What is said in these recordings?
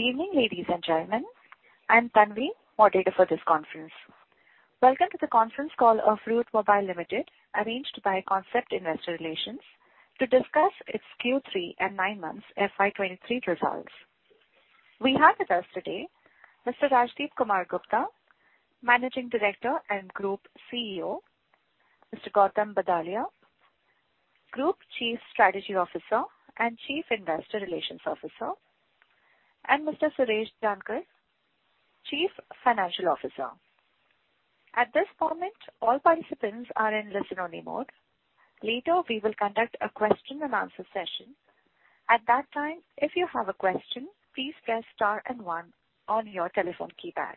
Good evening, ladies and gentlemen. I'm Tanvi, moderator for this conference. Welcome to the conference call of Route Mobile Limited, arranged by Concept Investor Relations to discuss its Q3 and nine months FY 2023 results. We have with us today Mr. Rajdipkumar Gupta, Managing Director and Group CEO, Mr. Gautam Badalia, Group Chief Strategy Officer and Chief Investor Relations Officer, Mr. Suresh Jankar, Chief Financial Officer. At this moment, all participants are in listen-only mode. Later, we will conduct a question-and-answer session. At that time, if you have a question, please press star and one on your telephone keypad.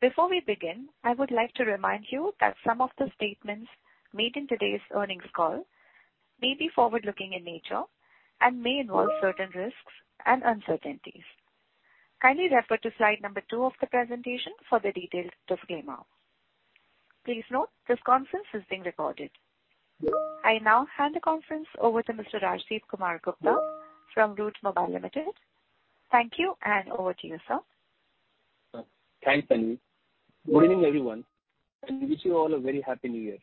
Before we begin, I would like to remind you that some of the statements made in today's earnings call may be forward-looking in nature and may involve certain risks and uncertainties. Kindly refer to slide number two of the presentation for the detailed disclaimer. Please note this conference is being recorded. I now hand the conference over to Mr. Rajdipkumar Gupta from Route Mobile Limited. Thank you, and over to you, sir. Thanks, Tanvi. Good evening, everyone. Wish you all a very happy new year.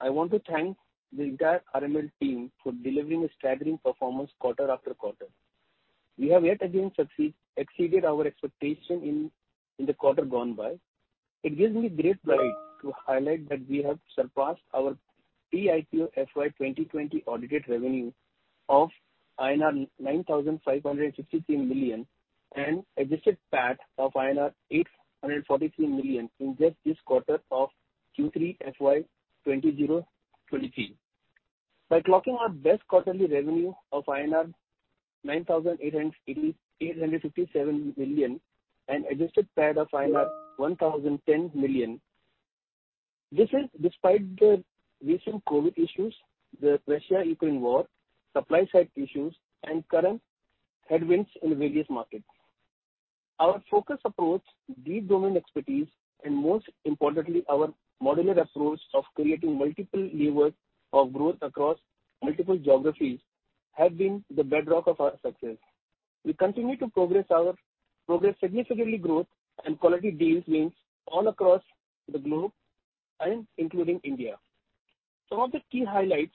I want to thank the entire RML team for delivering a staggering performance quarter after quarter. We have yet again exceeded our expectation in the quarter gone by. It gives me great pride to highlight that we have surpassed our pre-IPO FY 2020 audited revenue of INR 9,563 million and adjusted PAT of INR 843 million in just this quarter of Q3 FY 2023. By clocking our best quarterly revenue of INR 9,857 million and adjusted PAT of INR 1,010 million. This is despite the recent COVID issues, the Russia-Ukraine war, supply side issues, and current headwinds in various markets. Our focused approach, deep domain expertise, and most importantly, our modular approach of creating multiple levers of growth across multiple geographies have been the bedrock of our success. We continue to progress significantly growth and quality deals wins all across the globe and including India. Some of the key highlights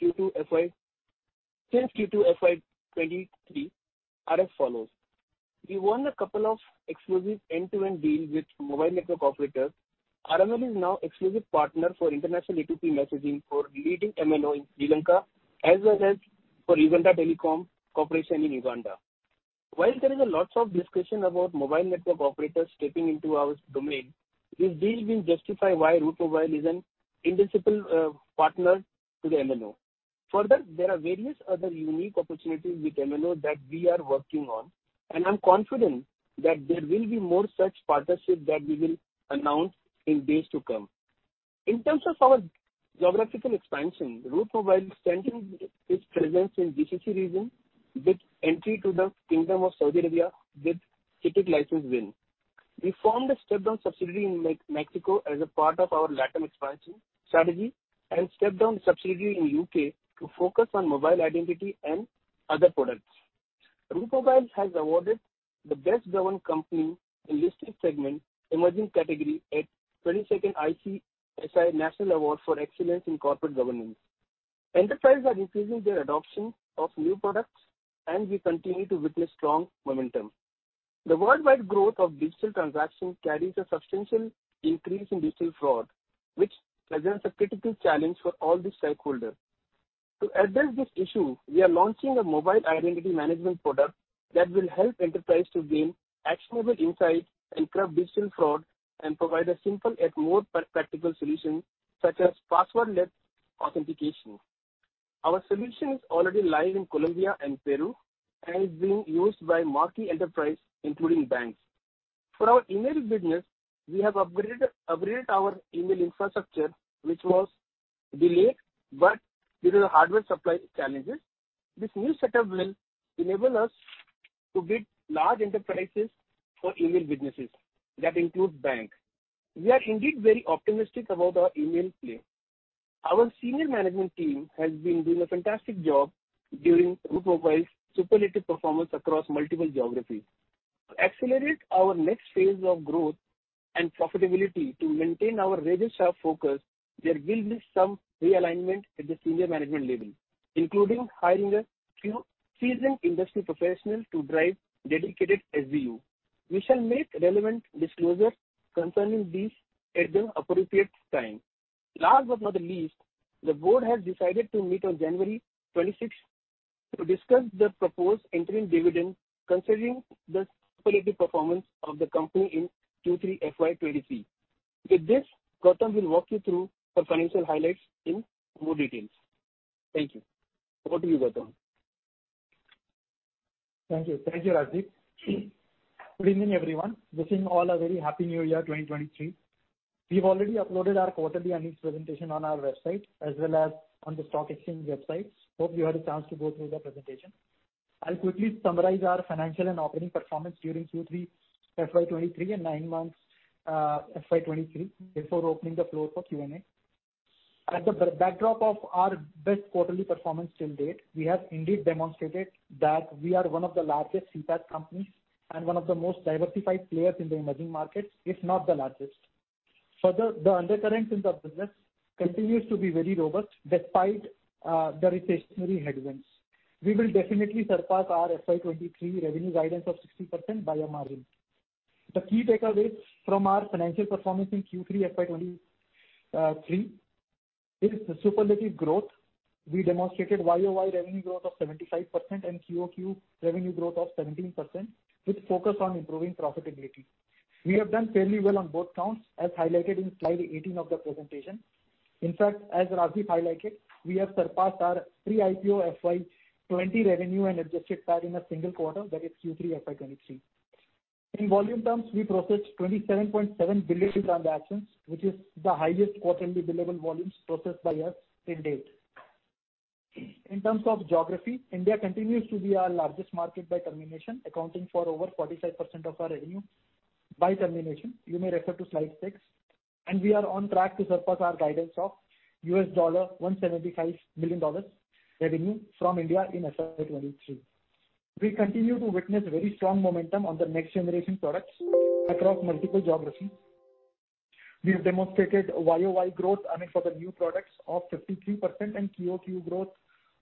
since Q2 FY 2023 are as follows: We won a couple of exclusive end-to-end deals with mobile network operators. RML is now exclusive partner for international A2P messaging for leading MNO in Sri Lanka, as well as for Uganda Telecom Corporation in Uganda. While there is lots of discussion about mobile network operators stepping into our domain, these deals will justify why Route Mobile is an indispensable partner to the MNO. There are various other unique opportunities with MNO that we are working on, and I'm confident that there will be more such partnerships that we will announce in days to come. In terms of our geographical expansion, Route Mobile is strengthening its presence in GCC region with entry to the Kingdom of Saudi Arabia with CITC license win. We formed a step-down subsidiary in Mexico as a part of our LatAm expansion strategy and step-down subsidiary in U.K. to focus on Mobile Identity and other products. Route Mobile has awarded the Best Governed Company in Listed Segment, Emerging Category at 22nd ICSI National Award for Excellence in Corporate Governance. Enterprises are increasing their adoption of new products, and we continue to witness strong momentum. The worldwide growth of digital transactions carries a substantial increase in digital fraud, which presents a critical challenge for all the stakeholders. To address this issue, we are launching a mobile identity management product that will help enterprise to gain actionable insights and curb digital fraud and provide a simple yet more practical solution, such as password-less authentication. Our solution is already live in Colombia and Peru and is being used by marquee enterprise, including banks. For our email business, we have upgraded our email infrastructure, which was delayed due to the hardware supply challenges. This new setup will enable us to bid large enterprises for email businesses that include banks. We are indeed very optimistic about our email play. Our senior management team has been doing a fantastic job during Route Mobile's superlative performance across multiple geographies. To accelerate our next phase of growth and profitability to maintain our razor-sharp focus, there will be some realignment at the senior management level, including hiring a few seasoned industry professionals to drive dedicated SBU. We shall make relevant disclosures concerning these at the appropriate time. Last but not least, the board has decided to meet on January 26th to discuss the proposed interim dividend considering the superlative performance of the company in Q3 FY 2023. With this, Gautam will walk you through our financial highlights in more details. Thank you. Over to you, Gautam. Thank you. Thank you, Rajdip. Good evening, everyone. Wishing you all a very happy New Year, 2023. We've already uploaded our quarterly earnings presentation on our website, as well as on the stock exchange websites. Hope you had a chance to go through the presentation. I'll quickly summarize our financial and operating performance during Q3 FY 2023 and nine months, FY 2023 before opening the floor for Q&A. At the backdrop of our best quarterly performance till date, we have indeed demonstrated that we are one of the largest CPaaS companies and one of the most diversified players in the emerging markets, if not the largest. The undercurrent in the business continues to be very robust despite the recessionary headwinds. We will definitely surpass our FY 2023 revenue guidance of 60% by a margin. The key takeaways from our financial performance in Q3 FY 2023 is the superlative growth. We demonstrated YOY revenue growth of 75% and QOQ revenue growth of 17%, with focus on improving profitability. We have done fairly well on both counts, as highlighted in slide 18 of the presentation. As Rajdip highlighted, we have surpassed our pre-IPO FY 20 revenue and adjusted PAT in a single quarter, that is Q3 FY 2023. In volume terms, we processed 27.7 billion transactions, which is the highest quarterly billable volumes processed by us till date. In terms of geography, India continues to be our largest market by termination, accounting for over 45% of our revenue by termination. You may refer to slide six. We are on track to surpass our guidance of $175 million revenue from India in FY 2023. We continue to witness very strong momentum on the next generation products across multiple geographies. We have demonstrated YOY growth, I mean, for the new products of 53% and QOQ growth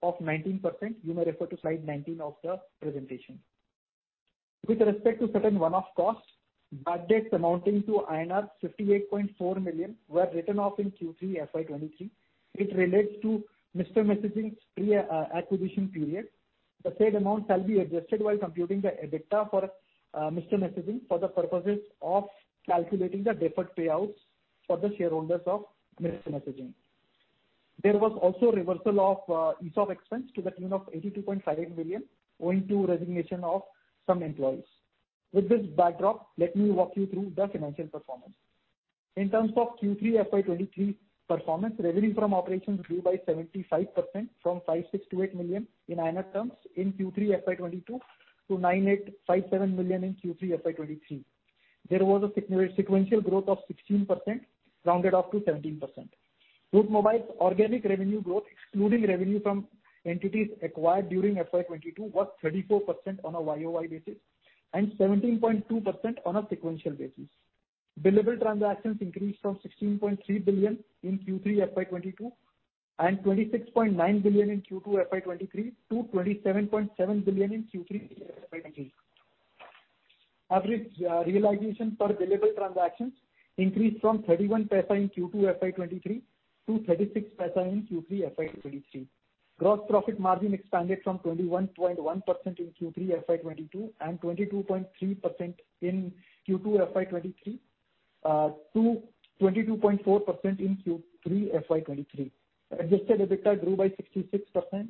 of 19%. You may refer to slide 19 of the presentation. With respect to certain one off costs, bad debts amounting to INR 58.4 million were written off in Q3 FY 2023, which relates to Mr. Messaging's pre-acquisition period. The said amount shall be adjusted while computing the EBITDA for Mr. Messaging for the purposes of calculating the deferred payouts for the shareholders of Mr. Messaging. There was also a reversal of ESOP expense to the tune of 82.58 million owing to resignation of some employees. With this backdrop, let me walk you through the financial performance. In terms of Q3 FY 2023 performance, revenue from operations grew by 75% from 5,628 million in INR terms in Q3 FY 2022 to 9,857 million in Q3 FY 2023. There was a sequential growth of 16%, rounded up to 17%. Route Mobile's organic revenue growth, excluding revenue from entities acquired during FY 2022, was 34% on a YOY basis and 17.2% on a sequential basis. Billable transactions increased from 16.3 billion in Q3 FY 2022 and 26.9 billion in Q2 FY 2023 to 27.7 billion in Q3 FY 2023. Average realization per billable transactions increased from 0.31 in Q2 FY 2023 to 0.36 in Q3 FY 2023. Gross profit margin expanded from 21.1% in Q3 FY 2022 and 22.3% in Q2 FY 2023 to 22.4% in Q3 FY 2023. Adjusted EBITDA grew by 66%.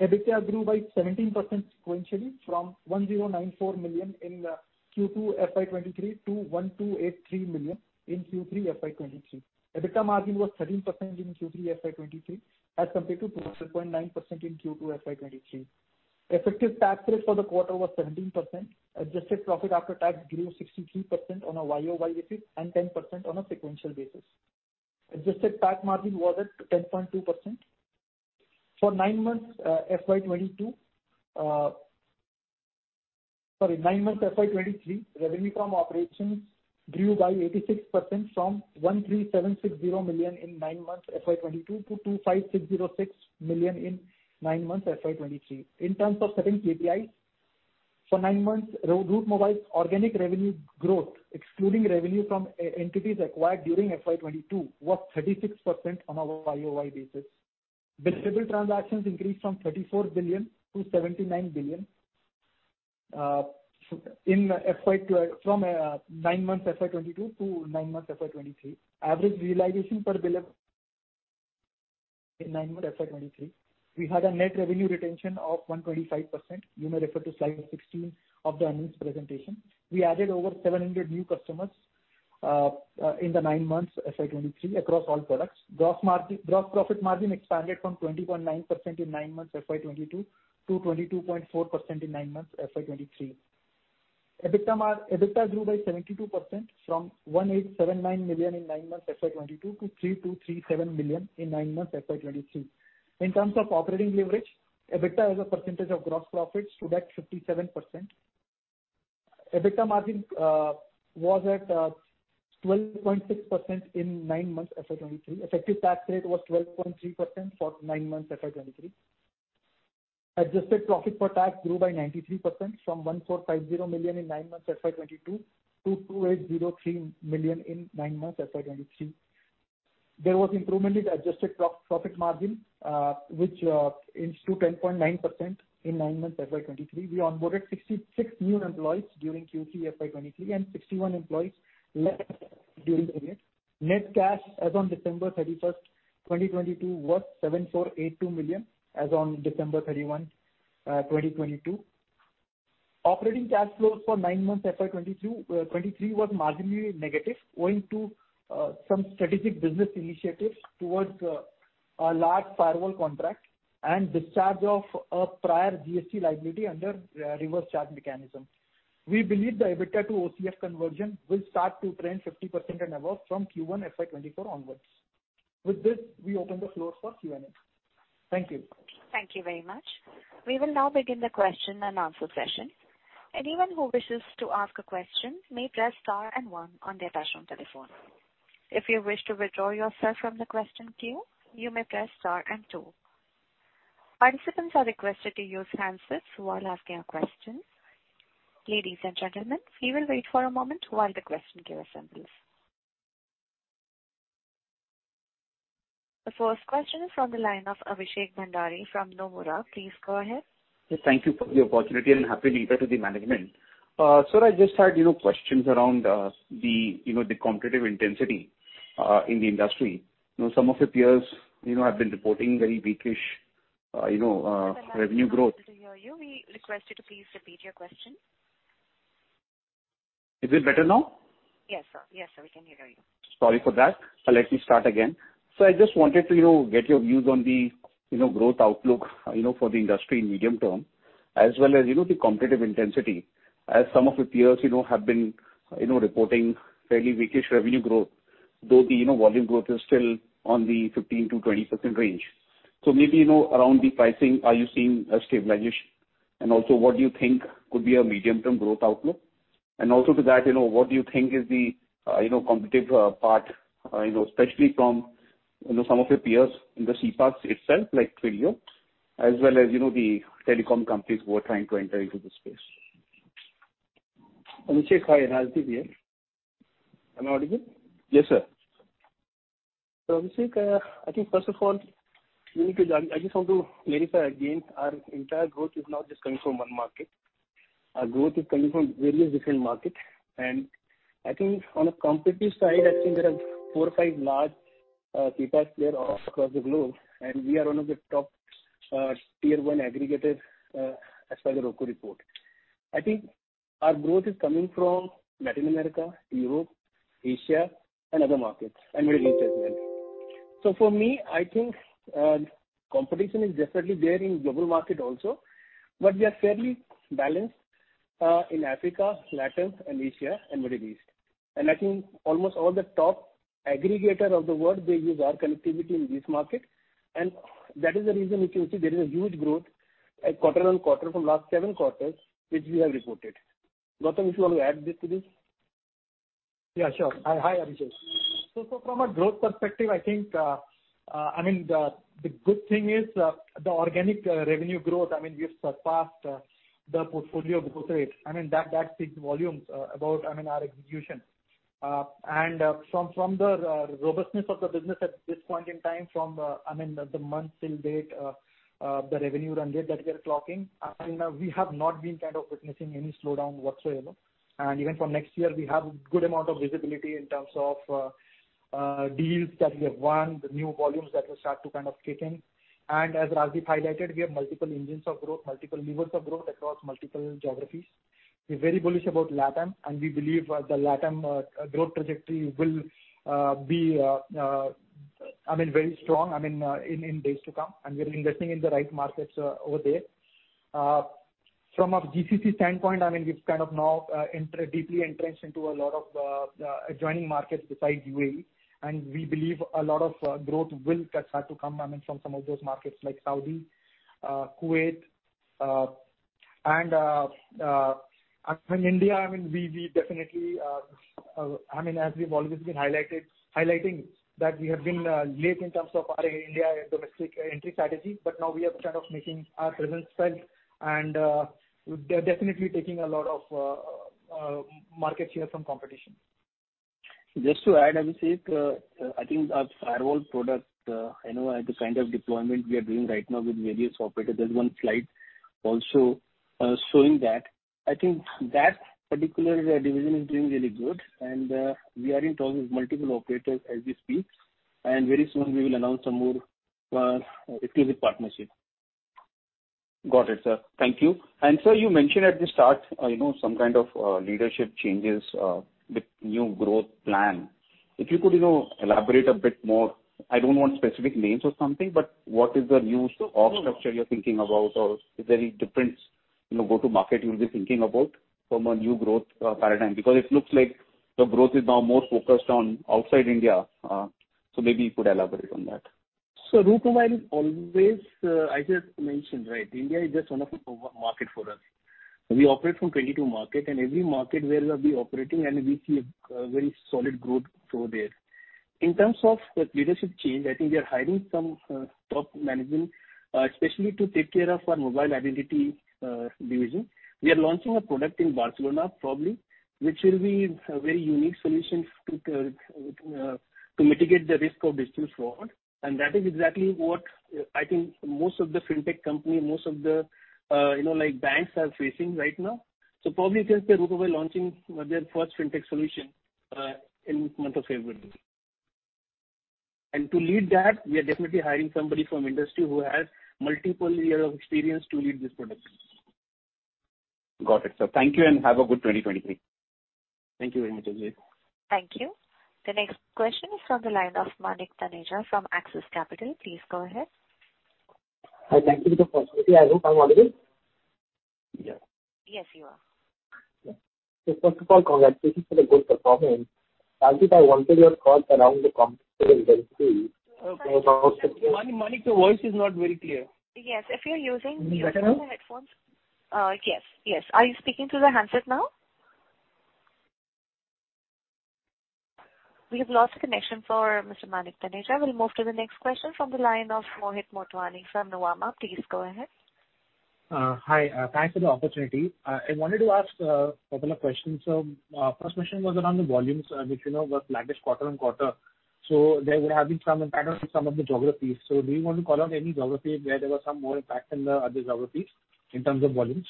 EBITDA grew by 17% sequentially from 1,094 million in Q2 FY 2023 to 1,283 million in Q3 FY 2023. EBITDA margin was 13% in Q3 FY 2023 as compared to 12.9% in Q2 FY 2023. Effective tax rate for the quarter was 17%. Adjusted profit after tax grew 63% on a YOY basis and 10% on a sequential basis. Adjusted tax margin was at 10.2%. nine months FY 2023, revenue from operations grew by 86% from 13,760 million in nine months FY 2022 to 25,606 million in nine months FY 2023. In terms of certain KPIs, for nine months, Route Mobile's organic revenue growth, excluding revenue from entities acquired during FY 2022, was 36% on a YOY basis. Billable transactions increased from 34 billion to 79 billion from nine months FY 2022 to nine months FY 2023. Average realization per billable in nine months FY 2023. We had a Net Revenue Retention of 125%. You may refer to slide 16 of the earnings presentation. We added over 700 new customers in the nine months FY 2023 across all products. Gross profit margin expanded from 20.9% in nine months FY 2022 to 22.4% in nine months FY 2023. EBITDA grew by 72% from 1,879 million in nine months FY 2022 to 3,237 million in nine months FY 2023. In terms of operating leverage, EBITDA as a percentage of gross profit stood at 57%. EBITDA margin was at 12.6% in nine months FY 2023. Effective tax rate was 12.3% for nine months FY 2023. Adjusted profit per tax grew by 93% from 1,450 million in nine months FY 2022 to 2,803 million in nine months FY 2023. There was improvement in adjusted profit margin, which increased to 10.9% in nine months FY 2023. We onboarded 66 new employees during Q3 FY 2023 and 61 employees left during the period. Net cash as on December 31, 2022 was 7,482 million as on December 31, 2022. Operating cash flows for nine months FY 2023 was marginally negative, owing to some strategic business initiatives towards a large firewall contract and discharge of a prior GST liability under Reverse Charge Mechanism. We believe the EBITDA to OCF conversion will start to trend 50% and above from Q1 FY 2024 onwards. With this, we open the floor for Q&A. Thank you. Thank you very much. We will now begin the question and answer session. Anyone who wishes to ask a question may press star and one on their touchtone telephone. If you wish to withdraw yourself from the question queue, you may press star and two. Participants are requested to use handsets while asking a question. Ladies and gentlemen, we will wait for a moment while the question queue assembles. The first question is from the line of Abhishek Bhandari from Nomura. Please go ahead. Yes, thank you for the opportunity, and happy New Year to the management. Sir, I just had, you know, questions around the, you know, competitive intensity in the industry. You know, some of your peers, you know, have been reporting very weak-ish, you know, revenue growth. To hear you. We request you to please repeat your question. Is it better now? Yes, sir. Yes, sir. We can hear you. Sorry for that. Let me start again. I just wanted to, you know, get your views on the, you know, growth outlook, you know, for the industry in medium term, as well as, you know, the competitive intensity as some of your peers, you know, have been, you know, reporting fairly weak-ish revenue growth, though the, you know, volume growth is still on the 15%-20% range. Maybe, you know, around the pricing, are you seeing a stabilization? What do you think could be a medium-term growth outlook? To that, you know, what do you think is the, you know, competitive part, you know, especially from, you know, some of your peers in the CPaaS itself, like Twilio, as well as, you know, the telecom companies who are trying to enter into the space? Abhishek, Rajdip here. Am I audible? Yes, sir. Abhishek, I think first of all, you know, because I just want to clarify again, our entire growth is not just coming from one market. Our growth is coming from various different market. I think on a competitive side, I think there are four or five large CPaaS player all across the globe, and we are one of the top tier one aggregator as per the ROCCO report. I think our growth is coming from Latin America, Europe, Asia and other markets, and Middle East as well. For me, I think competition is definitely there in global market also, but we are fairly balanced in Africa, LatAm and Asia and Middle East. I think almost all the top aggregator of the world, they use our connectivity in this market. That is the reason if you see there is a huge growth at quarter-on-quarter from last 7 quarters, which we have reported. Gautam, if you want to add this to this. Yeah, sure. Hi, Abhishek. From a growth perspective, I think, I mean, the good thing is the organic revenue growth, I mean, we have surpassed the portfolio growth rate. I mean, that speaks volumes about, I mean, our execution. From the robustness of the business at this point in time from, I mean, the month till date, the revenue run rate that we are clocking, I mean, we have not been kind of witnessing any slowdown whatsoever. Even for next year, we have good amount of visibility in terms of deals that we have won, the new volumes that will start to kind of kick in. As Rajdip highlighted, we have multiple engines of growth, multiple levers of growth across multiple geographies. We're very bullish about LatAm, and we believe, the LatAm growth trajectory will be, I mean, very strong, I mean, in days to come, and we are investing in the right markets over there. From a GCC standpoint, I mean, it's kind of now deeply entrenched into a lot of adjoining markets besides UAE. We believe a lot of growth will start to come, I mean, from some of those markets like Saudi, Kuwait, and from India, I mean, we definitely, I mean, as we've always been highlighted, highlighting that we have been late in terms of our India domestic entry strategy, but now we are kind of making our presence felt and definitely taking a lot of market share from competition. Just to add, Abhishek, I think our firewall product, you know, at the kind of deployment we are doing right now with various operators, there's one slide also showing that. I think that particular division is doing really good, and we are in talks with multiple operators as we speak. Very soon we will announce some more, exclusive partnerships. Got it, sir. Thank you. Sir, you mentioned at the start, you know, some kind of leadership changes with new growth plan. If you could, you know, elaborate a bit more. I don't want specific names or something, but what is the new org structure you're thinking about? Is there any difference, you know, go-to market you'll be thinking about from a new growth paradigm? Because it looks like the growth is now more focused on outside India. Maybe you could elaborate on that. Route Mobile is always, as I mentioned, right, India is just one of the market for us. We operate from 22 market, and every market where we are operating and we see a very solid growth flow there. In terms of leadership change, I think we are hiring some top management, especially to take care of our Mobile Identity division. We are launching a product in Barcelona, probably, which will be a very unique solution to mitigate the risk of digital fraud. That is exactly what I think most of the fintech company, most of the, you know, like banks are facing right now. Probably you can say Route will be launching their first fintech solution in month of February. To lead that, we are definitely hiring somebody from industry who has multiple years of experience to lead this product. Got it, sir. Thank you, and have a good 2023. Thank you very much, Abhishek. Thank you. The next question is from the line of Manik Taneja from Axis Capital. Please go ahead. I'd like to give the possibility. I hope I'm audible. Yeah. Yes, you are. Yeah. First of all, congratulations for the good performance. Rajdip, I wanted your thoughts around the competition density. Manik, your voice is not very clear. Yes. If you're using- Hello. Yes, yes. Are you speaking through the handset now? We have lost the connection for Mr. Manik Taneja. We'll move to the next question from the line of Mohit Motwani from Nuvama. Please go ahead. Hi. Thanks for the opportunity. I wanted to ask a couple of questions. First question was around the volumes, which, you know, was flagged quarter-on-quarter. There would have been some impact on some of the geographies. Do you want to call out any geography where there was some more impact than the other geographies in terms of volumes?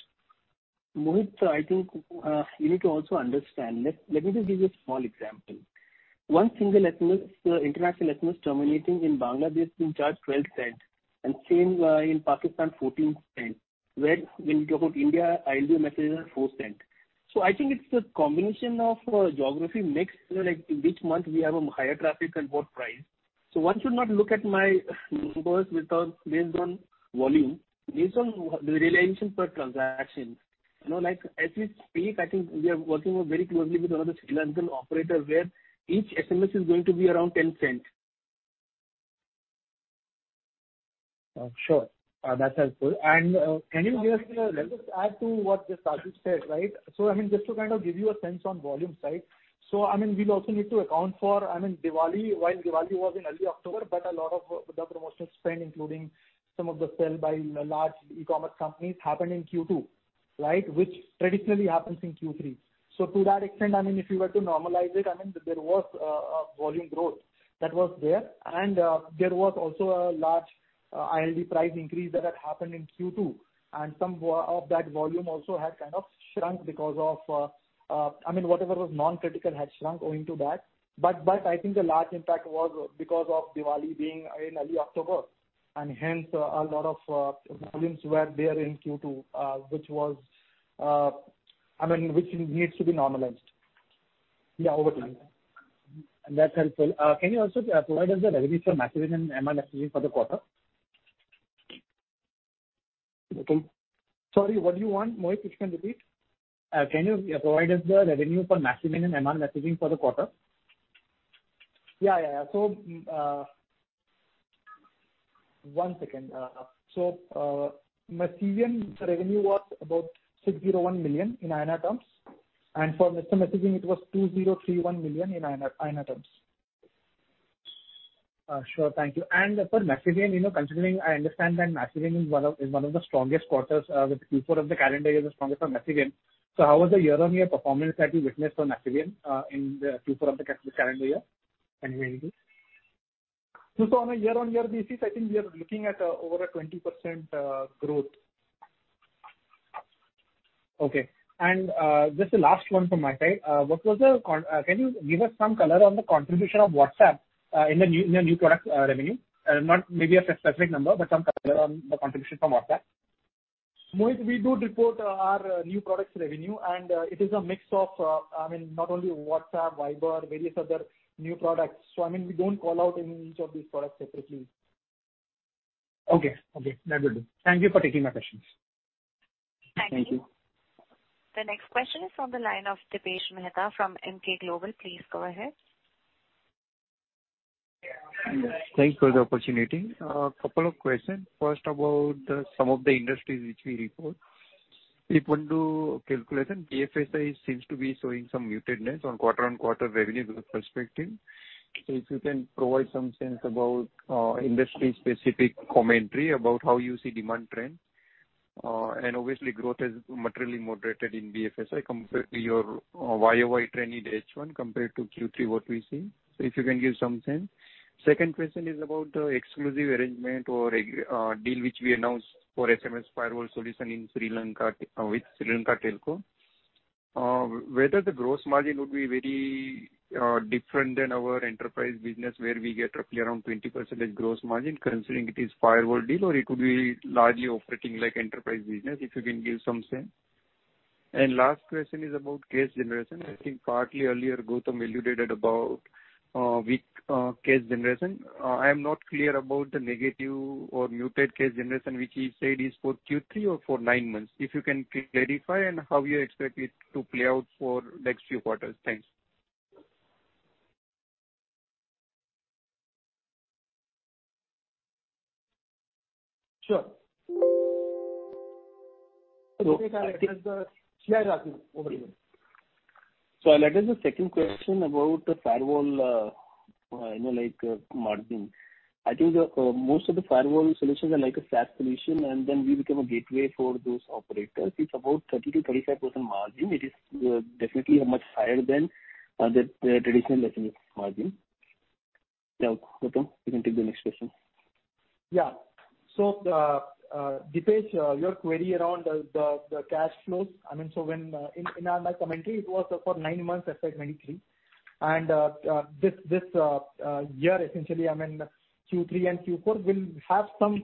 Mohit, I think, you need to also understand. Let me just give you a small example. One single SMS, international SMS terminating in Bangladesh will charge $0.12, and same, in Pakistan, $0.14, where when you go to India, ILD messages are $0.04. I think it's a combination of geography mixed, you know, like in which month we have a higher traffic and what price. One should not look at my numbers without based on volume. Based on the realization per transaction. You know, like as we speak, I think we are working very closely with another Sri Lankan operator where each SMS is going to be around $0.10. Sure. That's helpful. Can you give us- Let me just add to what Rajdip said, right? I mean, just to kind of give you a sense on volume side. I mean, we'll also need to account for, I mean, Diwali. While Diwali was in early October, but a lot of the promotional spend, including some of the sell by large e-commerce companies, happened in Q2, right? Which traditionally happens in Q3. To that extent, I mean, if you were to normalize it, I mean, there was volume growth that was there. There was also a large ILD price increase that had happened in Q2. Some of that volume also had kind of shrunk because of, I mean, whatever was non-critical had shrunk owing to that. I think the large impact was because of Diwali being in early October. Hence, a lot of volumes were there in Q2, which was, I mean, which needs to be normalized. Yeah, over to you. That's helpful. Can you also, provide us the revenue for Masivian and M.R Messaging for the quarter? Okay. Sorry, what do you want, Mohit? If you can repeat. Can you, yeah, provide us the revenue for Masivian and Mr. Messaging for the quarter? Yeah, yeah. one second. Masivian revenue was about 601 million in INR terms. for Mr. Messaging it was 2,031 million in INR terms. Sure. Thank you. For Masivian, you know, considering I understand that Masivian is one of the strongest quarters, with Q4 of the calendar year, the strongest for Masivian. How was the year-on-year performance that you witnessed for Masivian in the Q4 of the calendar year, can you maybe? On a year-on-year basis, I think we are looking at, over a 20% growth. Okay. Just the last one from my side. Can you give us some color on the contribution of WhatsApp in the new product revenue? Not maybe a specific number, but some color on the contribution from WhatsApp. Mohit, we do report our new products revenue, and, it is a mix of, I mean, not only WhatsApp, Viber, various other new products. So I mean, we don't call out any each of these products separately. Okay. Okay, that will do. Thank you for taking my questions. Thank you. Thank you. The next question is from the line of Dipesh Mehta from Emkay Global. Please go ahead. Thanks for the opportunity. Couple of questions. First, about the some of the industries which we report. If we do calculation, BFSI seems to be showing some mutedness on quarter-on-quarter revenue growth perspective. If you can provide some sense about industry specific commentary about how you see demand trend. Obviously growth has materially moderated in BFSI compared to your YOY trend in H1 compared to Q3 what we see. If you can give some sense. Second question is about the exclusive arrangement or a deal which we announced for SMS Firewall solution in Sri Lanka with Sri Lanka Telco. Whether the gross margin would be very different than our enterprise business, where we get roughly around 20% gross margin considering it is firewall deal, or it could be largely operating like enterprise business, if you can give some sense. Last question is about cash generation. I think partly earlier, Gautam alluded about weak cash generation. I am not clear about the negative or muted cash generation, which he said is for Q3 or for nine months. If you can clarify and how you expect it to play out for next few quarters. Thanks. Sure. So I think- Over to you. I'll address the second question about the firewall, you know, like margin. I think the most of the firewall solutions are like a SaaS solution, and then we become a gateway for those operators. It's about 30%-35% margin. It is definitely much higher than the traditional SMS margin. Gautam, you can take the next question. Yeah. Dipesh, your query around the cash flows. I mean, when in our commentary, it was for nine months, FY 2023. This year, essentially, I mean, Q3 and Q4 will have some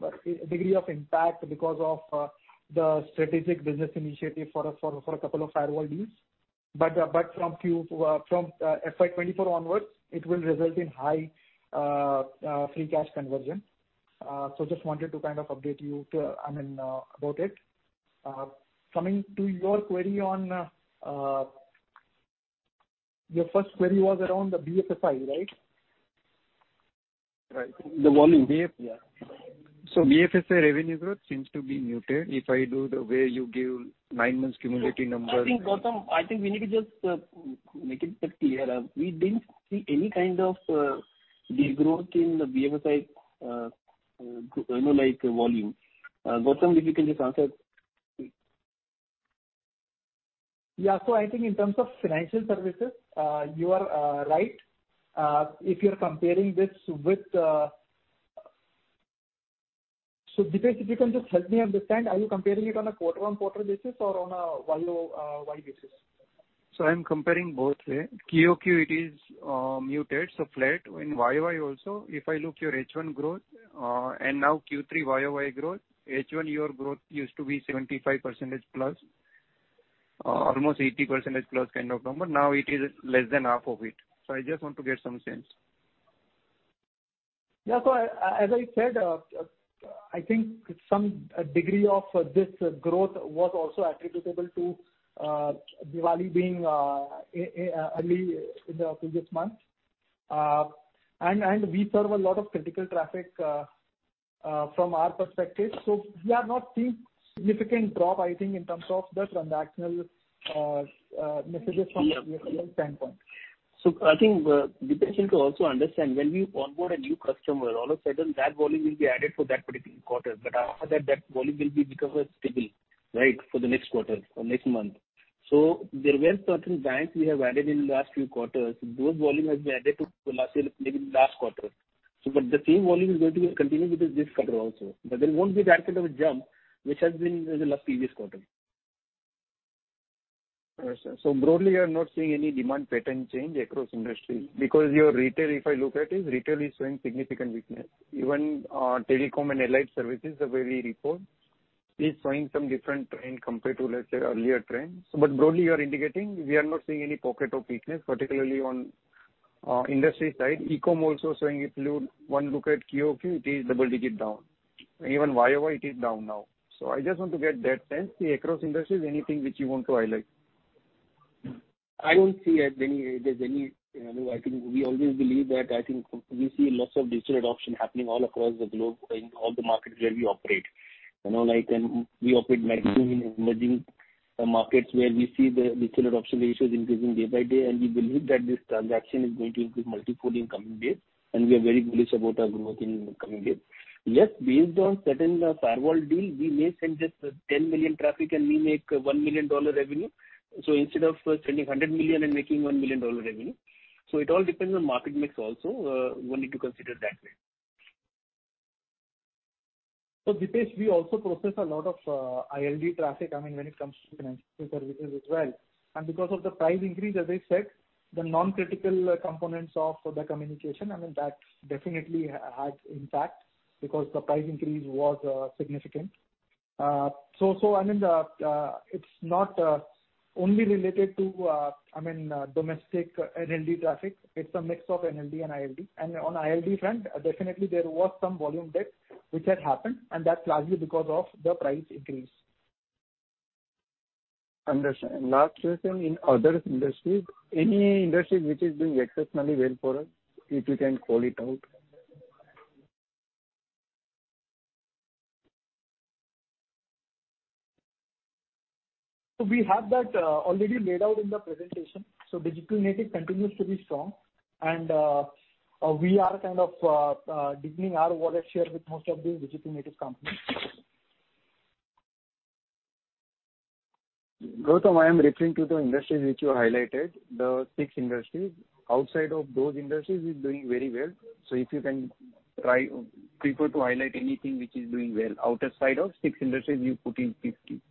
degree of impact because of the strategic business initiative for a couple of firewall deals. From Q, from FY 2024 onwards, it will result in high free cash conversion. Just wanted to kind of update you. I mean, about it. Coming to your query on, your first query was around the BFSI, right? Right. The volume. BF- Yeah. BFSI revenue growth seems to be muted. If I do the way you give nine months cumulative numbers- I think, Gautam, I think we need to just make it a bit clearer. We didn't see any kind of degrowth in the BFSI, you know, like, volume. Gautam, if you can just answer. Yeah. I think in terms of financial services, you are right. If you're comparing this with... Dipesh, if you can just help me understand, are you comparing it on a quarter-on-quarter basis or on a YOY basis? I'm comparing both way. QOQ it is muted, so flat. YOY also, if I look your H1 growth, and now Q3 YOY growth, H1 your growth used to be 75%+, almost 80%+ kind of number. Now it is less than half of it. I just want to get some sense. As I said, I think some degree of this growth was also attributable to Diwali being early in the previous month. We serve a lot of critical traffic from our perspective. We are not seeing significant drop, I think, in terms of the transactional messages from a BFSI standpoint. I think, Dipesh need to also understand when we onboard a new customer, all of a sudden that volume will be added for that particular quarter. After that volume will be become stable, right? For the next quarter or next month. There were certain banks we have added in last few quarters. Those volume has been added to the last year, maybe last quarter. The same volume is going to be continued with this quarter also. There won't be that kind of a jump which has been in the last previous quarter. Understood. Broadly, you are not seeing any demand pattern change across industry because your retail, if I look at it, retail is showing significant weakness. Even telecom and allied services, the way we report, is showing some different trend compared to, let's say, earlier trends. Broadly, you are indicating we are not seeing any pocket of weakness, particularly on industry side. E-com also showing, if you one look at QOQ, it is double-digit down. Even YOY it is down now. I just want to get that sense, see across industries, anything which you want to highlight. I don't see as any. There's any, you know, I think we always believe that, I think we see lots of digital adoption happening all across the globe in all the markets where we operate. You know, like, we operate maximum in emerging markets where we see the digital adoption ratios increasing day by day. We believe that this transaction is going to increase multifold in coming days. We are very bullish about our growth in coming days. Yes, based on certain firewall deal, we may send just 10 million traffic and we make $1 million revenue. Instead of sending 100 million and making $1 million revenue, it all depends on market mix also. One need to consider that way. Dipesh, we also process a lot of ILD traffic, I mean, when it comes to financial services as well. Because of the price increase, as I said, the non-critical components of the communication, I mean, that definitely has impact because the price increase was significant. So I mean the it's not only related to I mean domestic NLD traffic. It's a mix of NLD and ILD. On ILD front, definitely there was some volume dip which had happened, and that's largely because of the price increase. Understand. Last question, in other industries, any industry which is doing exceptionally well for us, if you can call it out? We have that already laid out in the presentation. digital native continues to be strong. We are kind of deepening our wallet share with most of the digital native companies. Gautam, I am referring to the industries which you highlighted, the six industries. Outside of those industries is doing very well. If you can prefer to highlight anything which is doing well outside of six industries you put in 50.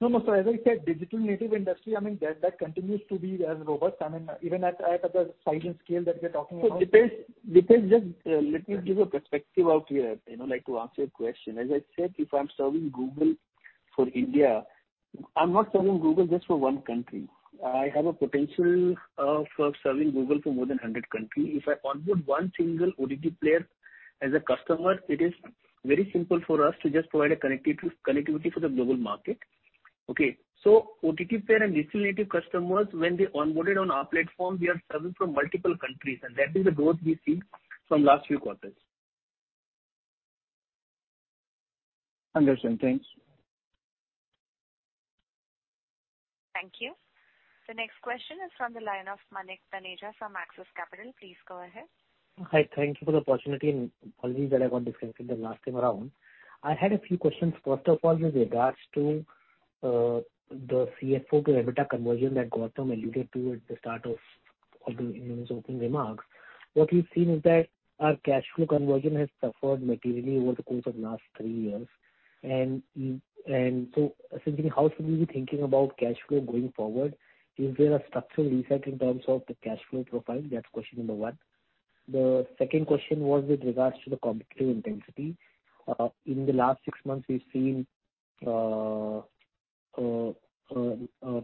No, no. As I said, digital native industry, I mean, that continues to be as robust. I mean, even at the size and scale that we're talking about. Dipesh just, let me give a perspective out here, you know, like to answer your question. As I said, if I'm serving Google for India, I'm not serving Google just for one country. I have a potential of serving Google for more than 100 country. If I onboard one single OTT player as a customer, it is very simple for us to just provide a connectivity for the global market. Okay? OTT player and digital native customers, when they onboarded on our platform, we are serving from multiple countries, and that is the growth we've seen from last few quarters. Understood. Thanks. Thank you. The next question is from the line of Manik Taneja from Axis Capital. Please go ahead. Hi. Thank you for the opportunity and apologies that I got disconnected the last time around. I had a few questions. First of all, with regards to the CFO to EBITDA conversion that Gautam alluded to at the start in his opening remarks. What we've seen is that our cash flow conversion has suffered materially over the course of last three years. Essentially, how should we be thinking about cash flow going forward? Is there a structural reset in terms of the cash flow profile? That's question number one. The second question was with regards to the competitive intensity. In the last six months, we've seen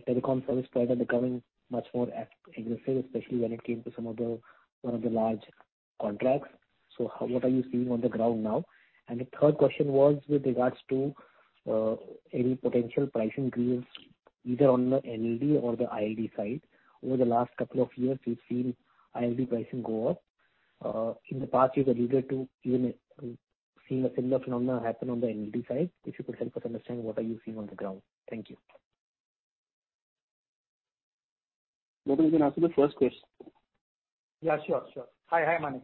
telecom service provider becoming much more aggressive, especially when it came to some of the, some of the large contracts. What are you seeing on the ground now? The third question was with regards to any potential pricing deals either on the NLD or the ILD side. Over the last couple of years, we've seen ILD pricing go up. In the past year that you get to even seeing a similar phenomena happen on the NLD side. If you could help us understand what are you seeing on the ground. Thank you. Maybe you can ask him the first question. Yeah, sure. Sure. Hi. Hi, Manik.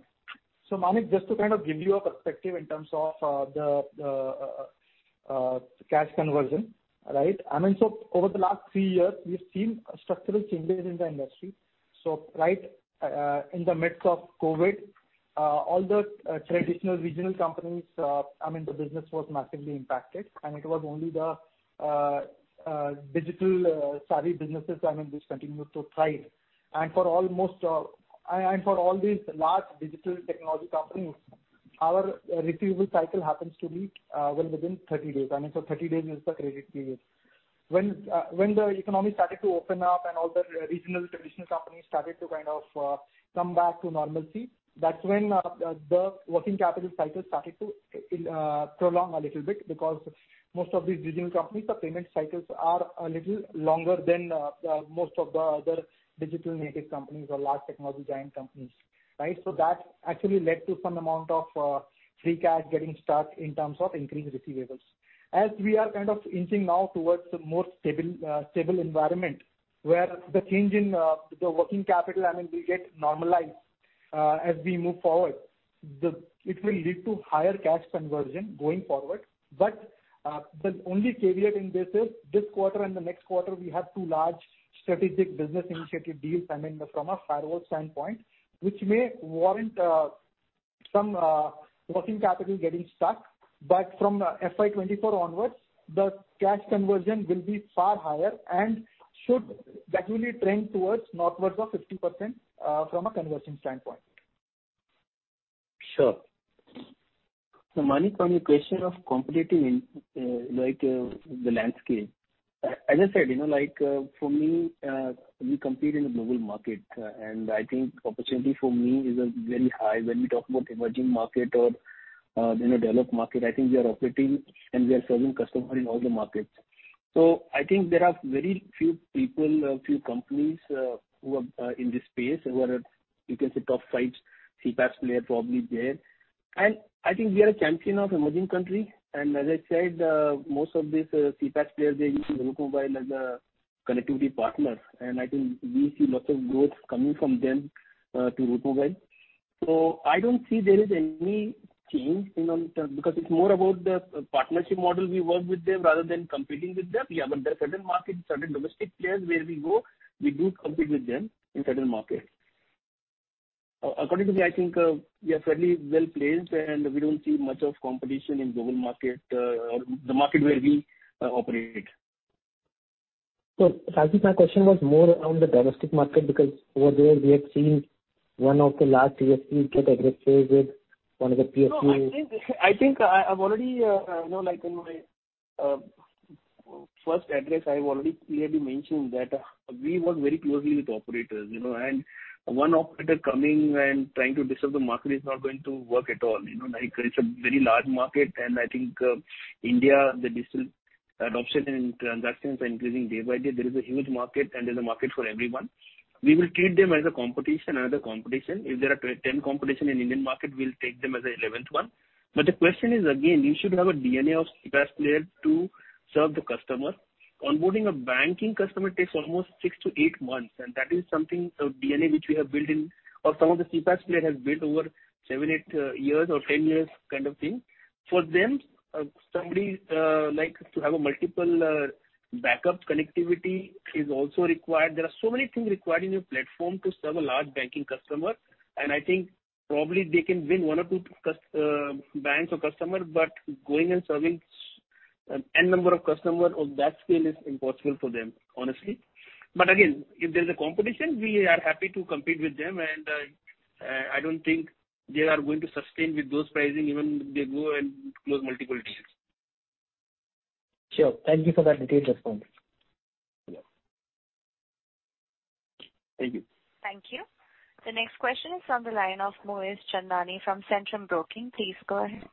Manik, just to kind of give you a perspective in terms of the cash conversion, right? I mean, over the last three years, we've seen structural changes in the industry. Right, in the midst of COVID, all the traditional regional companies, I mean, the business was massively impacted, and it was only the digital savvy businesses, I mean, which continued to thrive. And for almost, and for all these large digital technology companies, our receivable cycle happens to be well within 30 days. I mean, 30 days is the credit period. When the economy started to open up and all the regional traditional companies started to kind of, come back to normalcy, that's when the working capital cycle started to prolong a little bit because most of these digital companies, the payment cycles are a little longer than most of the other digital native companies or large technology giant companies, right? That actually led to some amount of, free cash getting stuck in terms of increased receivables. As we are kind of inching now towards a more stable environment where the change in the working capital, I mean, will get normalized as we move forward. It will lead to higher cash conversion going forward. The only caveat in this is this quarter and the next quarter, we have two large strategic business initiative deals, I mean, from a firewall standpoint, which may warrant some working capital getting stuck. From FY 2024 onwards, the cash conversion will be far higher and should gradually trend towards northwards of 50% from a conversion standpoint. Sure. Manik, on the question of competitive in, like, the landscape, as I said, you know, like, for me, we compete in a global market, and I think opportunity for me is very high. When we talk about emerging market or, you know, developed market, I think we are operating and we are serving customer in all the markets. I think there are very few people, few companies, who are in this space who are, you can say, top five CPaaS player probably there. I think we are a champion of emerging country. As I said, most of these CPaaS players, they're using Route Mobile as a connectivity partner. I think we see lots of growth coming from them to Route Mobile. I don't see there is any change in long term because it's more about the partnership model we work with them rather than competing with them. There are certain markets, certain domestic players where we go, we do compete with them in certain markets. According to me, I think, we are fairly well placed, and we don't see much of competition in global market, or the market where we operate. faktisk, my question was more on the domestic market because over there we have seen one of the large ESP get aggressive with one of the PSP. No, I think I've already, you know, like in my first address, I've already clearly mentioned that we work very closely with operators, you know. One operator coming and trying to disturb the market is not going to work at all. You know, like, it's a very large market, and I think India, the digital adoption and transactions are increasing day by day. There is a huge market, and there's a market for everyone. We will treat them as a competition, another competition. If there are 10 competition in Indian market, we'll take them as a eleventh one. The question is, again, you should have a DNA of CPaaS player to serve the customer. Onboarding a banking customer takes almost six to eight months. That is something, a DNA which we have built in or some of the CPaaS player has built over seven, eight years or 10 years kind of thing. For them, somebody's like to have a multiple backup connectivity is also required. There are so many things required in your platform to serve a large banking customer. I think probably they can win one or two banks or customer, but going and serving N number of customer of that scale is impossible for them, honestly. Again, if there's a competition, we are happy to compete with them. I don't think they are going to sustain with those pricing even if they go and close multiple deals. Sure. Thank you for that detailed response. Yeah. Thank you. Thank you. The next question is on the line of Moez Chandnani from Centrum Broking. Please go ahead.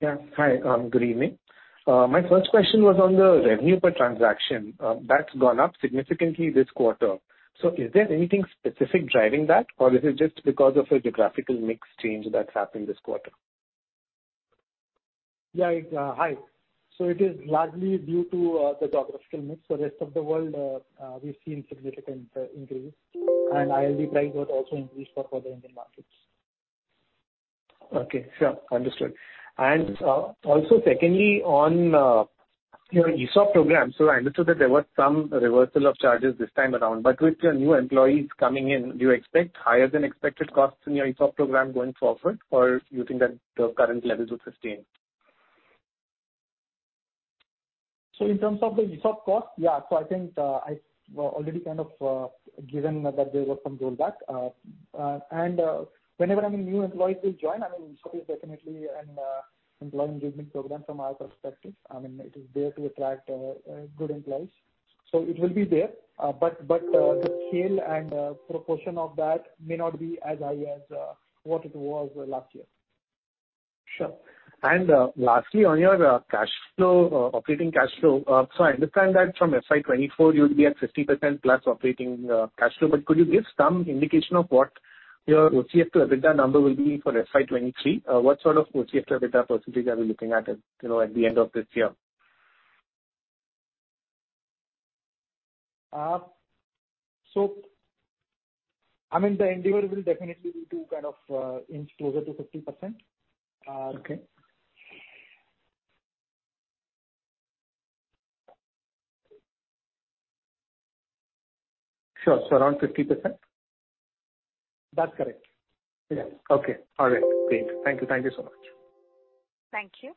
Yeah. Hi. Good evening. My first question was on the revenue per transaction. That's gone up significantly this quarter. Is there anything specific driving that, or is it just because of a geographical mix change that's happened this quarter? Yeah. Hi. It is largely due to the geographical mix. The rest of the world, we've seen significant increase. ILD price was also increased for the Indian markets. Okay. Sure. Understood. Also secondly, on your ESOP program, I understood that there was some reversal of charges this time around. With your new employees coming in, do you expect higher than expected costs in your ESOP program going forward, or you think that the current levels will sustain? In terms of the ESOP cost. I think I already kind of given that there was some rollback. Whenever, I mean, new employees will join, I mean, ESOP is definitely an employee engagement program from our perspective. I mean, it is there to attract good employees. It will be there. But the scale and proportion of that may not be as high as what it was last year. Sure. Lastly, on your cash flow, operating cash flow, I understand that from FY 2024 you'll be at 50%+ operating cash flow, but could you give some indication of what your OCF to EBITDA number will be for FY 2023? What sort of OCF to EBITDA percentages are we looking at, you know, at the end of this year? I mean, the endeavor will definitely be to kind of, inch closer to 50%. Okay. Sure. around 50%? That's correct. Yeah. Okay. All right. Great. Thank you. Thank you so much. Thank you.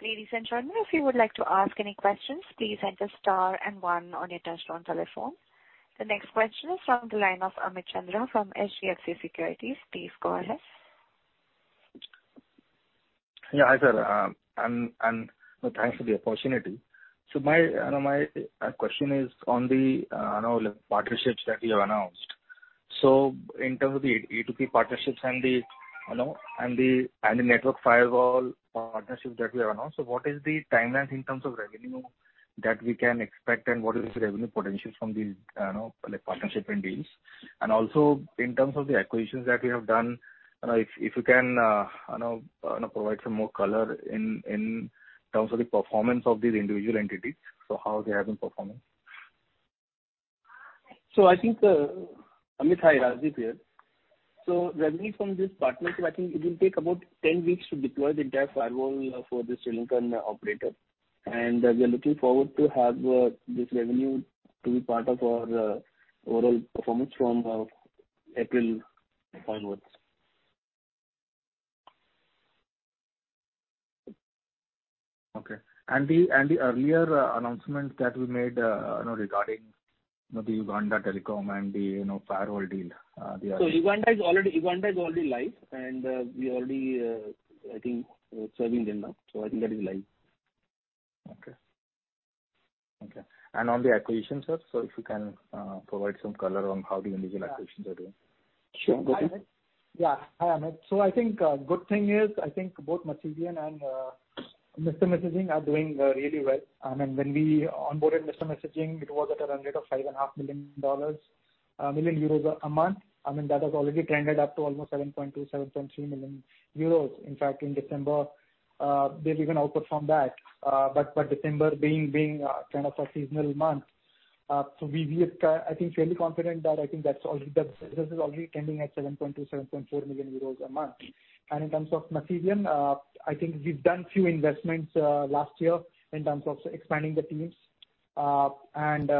Ladies and gentlemen, if you would like to ask any questions, please enter star and one on your touchtone telephone. The next question is on the line of Amit Chandra from HDFC Securities. Please go ahead. Yeah, hi, sir. Thanks for the opportunity. My question is on the, you know, partnerships that you have announced. In terms of the E2P partnerships and the, you know, and the network firewall partnerships that we have announced. What is the timelines in terms of revenue that we can expect, and what is the revenue potential from these, you know, like, partnership and deals? Also in terms of the acquisitions that you have done, if you can, you know, provide some more color in terms of the performance of these individual entities. How they have been performing? I think. Amit, hi. Rajdip here. Revenue from this partnership, I think it will take about 10 weeks to deploy the entire firewall, for the Sri Lankan operator. We are looking forward to have, this revenue to be part of our, overall performance from, April onwards. Okay. The earlier announcements that we made, you know, regarding, you know, the Uganda Telecom and the, you know, firewall deal. Uganda is already live, and we already, I think, serving them now. I think that is live. Okay. Okay. On the acquisitions, sir, if you can provide some color on how the individual acquisitions are doing? Sure. Gopi? Yeah. Hi, Amit. I think good thing is I think both Masivian and Mr. Messaging are doing really well. I mean, when we onboarded Mr. Messaging, it was at a run rate of EUR 5.5 million a month. I mean, that has already trended up to almost 7.2 million-7.3 million euros. In fact, in December, they've even outperformed that. But December being kind of a seasonal month, we are I think fairly confident that I think that's already, that business is already trending at 7.2 million-7.4 million euros a month. In terms of Masivian, I think we've done few investments, last year in terms of expanding the teams, and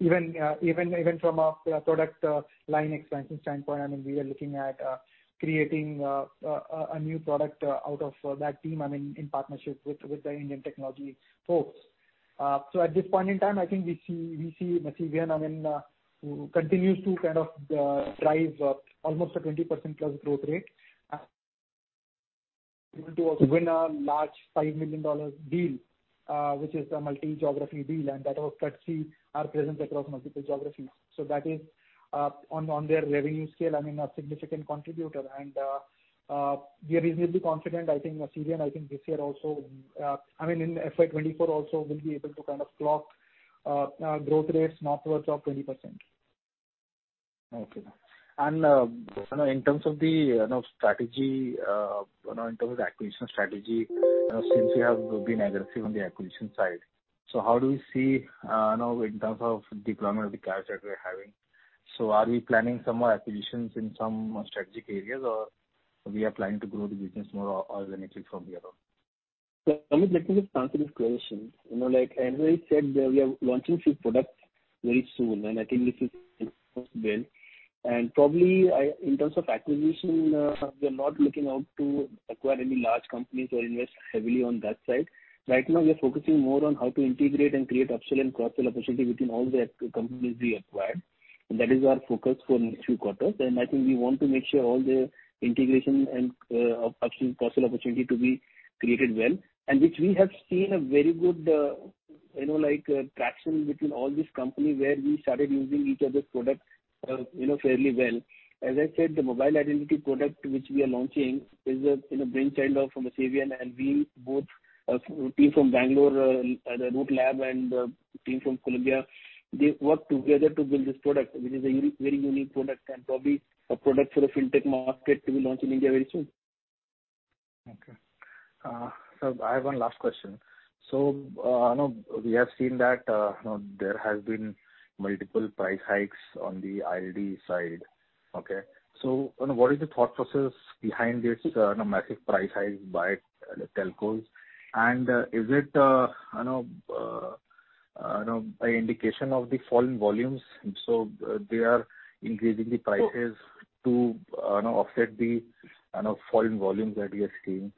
even from a product line expansion standpoint, I mean, we are looking at creating a new product out of that team, I mean, in partnership with the Indian technology folks. At this point in time, I think we see Masivian, I mean, continues to kind of drive almost a 20%+ growth rate. Able to also win a large $5 million deal, which is the multi-geography deal. That of course sees our presence across multiple geographies. That is on their revenue scale, I mean, a significant contributor. We are reasonably confident, I think Masivian, I think this year also, I mean in FY 2024 also will be able to kind of clock, growth rates northwards of 20%. Okay. You know, in terms of the, you know, strategy, you know, in terms of acquisition strategy, since you have been aggressive on the acquisition side, how do you see, you know, in terms of deployment of the cash that we're having? Are we planning some more acquisitions in some more strategic areas, or we are planning to grow the business more organically from here on? Amit, let me just answer this question. You know, like Andrew has said, we are launching few products very soon, and I think this is well. Probably in terms of acquisition, we're not looking out to acquire any large companies or invest heavily on that side. Right now we are focusing more on how to integrate and create upsell and cross-sell opportunity within all the companies we acquired. That is our focus for next few quarters. I think we want to make sure all the integration and upsell, cross-sell opportunity to be created well. Which we have seen a very good, you know, like traction between all these company where we started using each other's product, you know, fairly well. As I said, the Mobile Identity product which we are launching is a, you know, brainchild of Masivian, and we both, team from Bangalore, RouteLab, and team from Colombia, they worked together to build this product, which is a very unique product and probably a product for the fintech market to be launched in India very soon. Okay. I have one last question. You know, we have seen that, you know, there has been multiple price hikes on the ILD side. Okay. You know, what is the thought process behind this, you know, massive price hike by the telcos? Is it, you know You know, by indication of the fall in volumes. They are increasing the prices to, you know, offset the, you know, fall in volumes that we are seeing.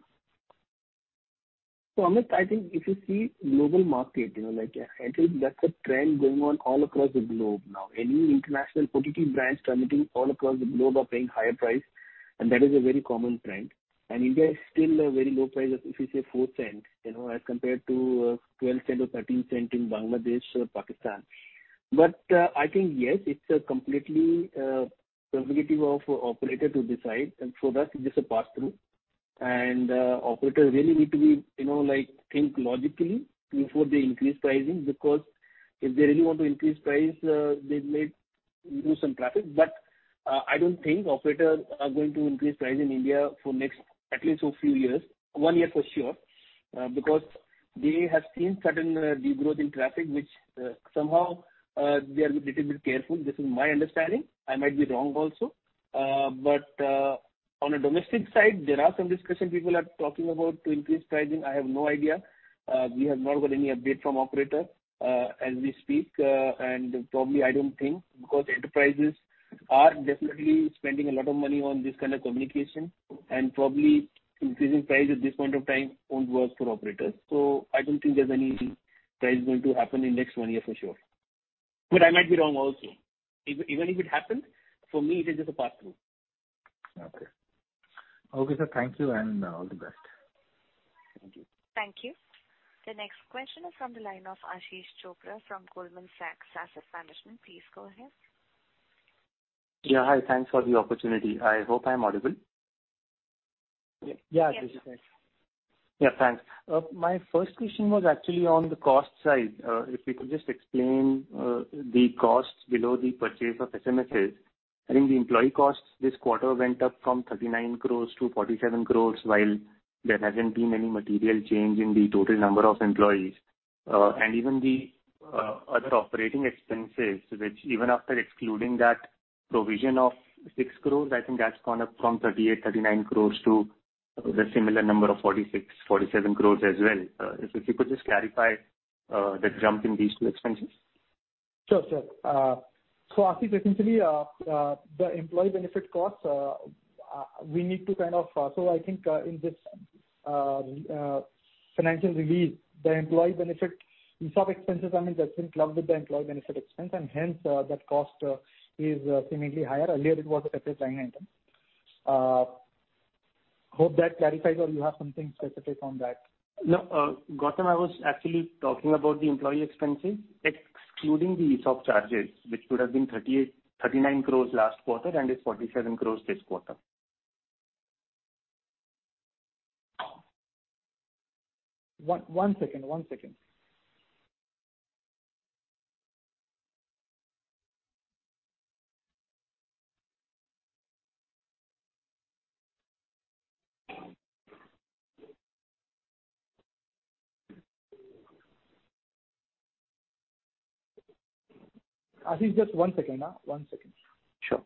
Amit, I think if you see global market, you know, like I think that's a trend going on all across the globe now. Any international OTT brands transmitting all across the globe are paying higher price, and that is a very common trend. India is still a very low price. If you say $0.04, you know, as compared to $0.12 or $0.13 in Bangladesh or Pakistan. I think, yes, it's a completely prerogative of operator to decide, and for that it is a pass through. Operators really need to be, you know, like think logically before they increase pricing, because if they really want to increase price, they may lose some traffic. I don't think operators are going to increase price in India for next at least for few years. 1 year for sure, because they have seen certain degrowth in traffic, which somehow they are a little bit careful. This is my understanding. I might be wrong also. On a domestic side, there are some discussion people are talking about to increase pricing. I have no idea. We have not got any update from operator as we speak. Probably I don't think, because enterprises are definitely spending a lot of money on this kind of communication, and probably increasing price at this point of time won't work for operators. I don't think there's any price going to happen in next one year for sure. I might be wrong also. Even if it happens, for me, it is just a pass through. Okay. Okay, sir, thank you and all the best. Thank you. Thank you. The next question is from the line of Ashish Chopra from Goldman Sachs Asset Management. Please go ahead. Yeah, hi. Thanks for the opportunity. I hope I'm audible. Yeah. Yes. Thanks. My first question was actually on the cost side. If you could just explain the costs below the purchase of SMSs? I think the employee costs this quarter went up from 39 to 47 crores, while there hasn't been any material change in the total number of employees. And even the other operating expenses, which even after excluding that provision of 6 crores, I think that's gone up from 38 crores-39 crores to the similar number of 46 crores-47 crores as well. If you could just clarify the jump in these two expenses? Sure, sure. Ashish essentially, the employee benefit costs. I think, in this financial release, the employee benefit, ESOP expenses, I mean, that's been clubbed with the employee benefit expense and hence, that cost is seemingly higher. Earlier it was a separate line item. Hope that clarifies or you have something specific on that. No. Gautam, I was actually talking about the employee expenses excluding the ESOP charges, which would have been 38 crores, 39 crores last quarter and is 47 crores this quarter. One second. One second. Ashish, just one second, one second. Sure.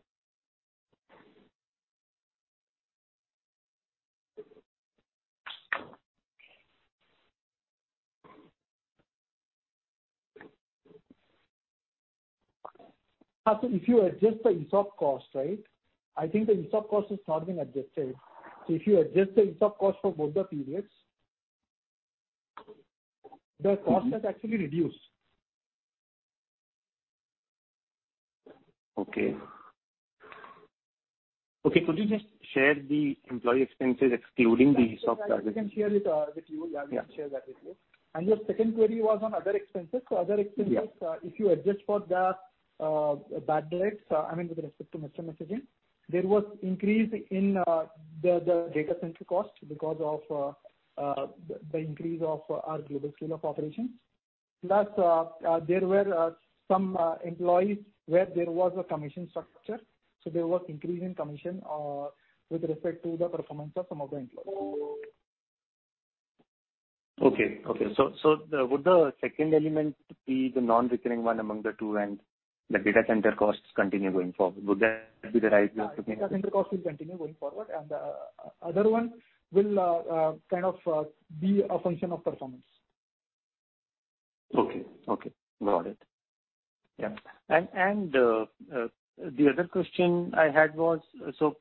Ashish, if you adjust the ESOP cost, right? I think the ESOP cost is not being adjusted. If you adjust the ESOP cost for both the periods, the cost has actually reduced. Okay. Okay. Could you just share the employee expenses excluding the ESOP charges? I can share it, with you. Yeah. I will share that with you. Your second query was on other expenses. other expenses- Yeah. If you adjust for the bad debts, I mean, with respect to Mr. Messaging, there was increase in the data center cost because of the increase of our global scale of operations. Plus, there were some employees where there was a commission structure, so there was increase in commission with respect to the performance of some of the employees Okay. Okay. Would the second element be the non-recurring one among the two and the data center costs continue going forward? Would that be the right way of looking at it? Data center costs will continue going forward, and the other one will kind of be a function of performance. Okay. Okay. Got it. Yeah. The other question I had was, so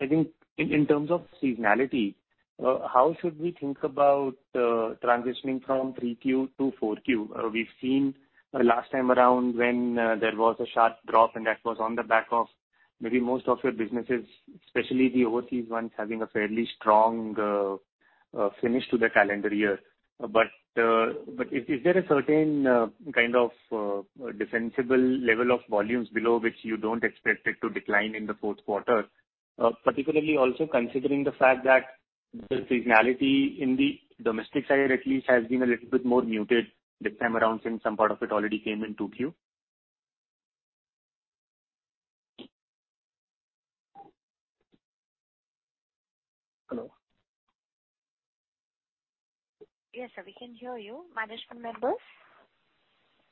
I think in terms of seasonality, how should we think about transitioning from 3Q to 4Q? We've seen last time around when there was a sharp drop and that was on the back of maybe most of your businesses, especially the overseas ones, having a fairly strong finish to the calendar year. Is there a certain kind of defensible level of volumes below which you don't expect it to decline in the fourth quarter? Particularly also considering the fact that the seasonality in the domestic side at least has been a little bit more muted this time around since some part of it already came in 2Q. Hello? Yes, sir. We can hear you. Management members?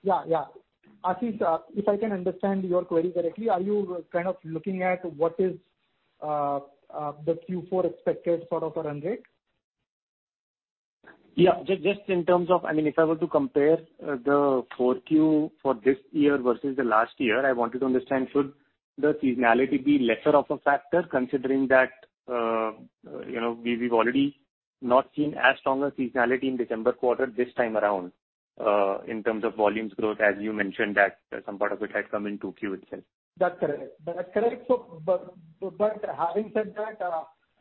Yeah, yeah. Ashish, if I can understand your query correctly, are you kind of looking at what is the Q4 expected sort of a run rate? Yeah. Just in terms of, I mean, if I were to compare, the 4Q for this year versus the last year, I wanted to understand should the seasonality be lesser of a factor considering that, you know, we've already not seen as strong a seasonality in December quarter this time around, in terms of volumes growth as you mentioned that some part of it had come in 2Q itself? That's correct. That's correct. But having said that,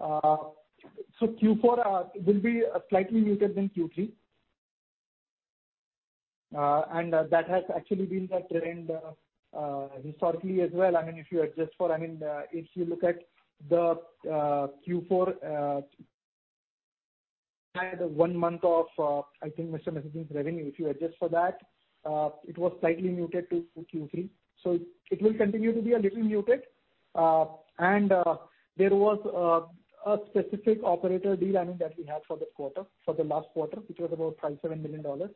Q4 will be slightly muted than Q3. That has actually been the trend historically as well. If you look at the Q4, had one month of I think messaging revenue. If you adjust for that, it was slightly muted to Q3. It will continue to be a little muted. There was a specific operator deal that we had for this quarter, for the last quarter, which was about $5 million-$7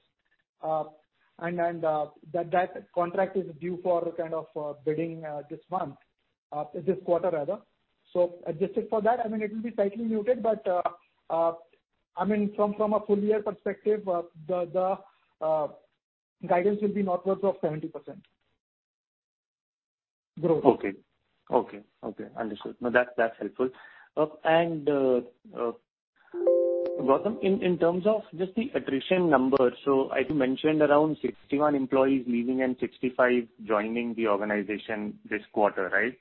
million. That contract is due for kind of bidding this month, this quarter rather. Adjusted for that, I mean, it will be slightly muted, but, I mean, from a full year perspective, the guidance will be northwards of 70% growth. Okay. Okay, okay. Understood. No, that's helpful. Gautam, in terms of just the attrition numbers, so I think you mentioned around 61 employees leaving and 65 joining the organization this quarter, right?